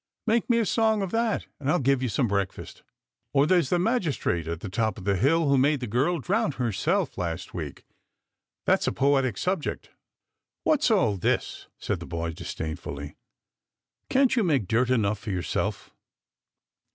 Make me a song of that, and I'll give you some breakfast. Or there's the magistrate at the top of the hill who made the girl drown herself last week. That's a poetic subject." "What's all this?" said the boy disdain fully. "Can't you make dirt enough for yourself?"